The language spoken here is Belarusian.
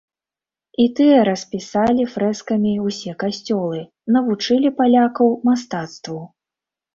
І тыя распісалі фрэскамі ўсе касцёлы, навучылі палякаў мастацтву.